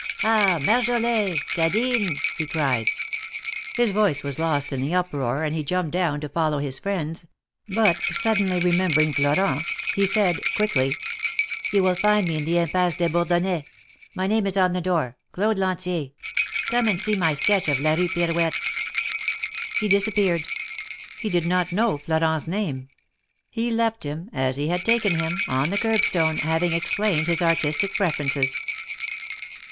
"Ah! Marjolin! Cadine!" he cried. His voice was lost in the uproar, and he jumped down to follow his friends, but, suddenly remembering Florent, he said, quickly : "You will find me in the Impasse des Bourdonnais — my name is on the door, Claude Lantier. Come and see my sketch of ^la Rue Pirouette.' " He disappeared. He did not know Florent's name — THE MARKETS OF PARIS. 51 he left him, as he had taken him, on the curbstone, having explained his artistic preferences.